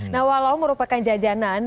nah walau merupakan jajanan